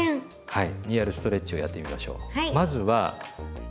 はい。